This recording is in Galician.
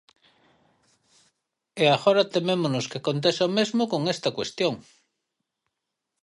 E agora temémonos que aconteza o mesmo con esta cuestión.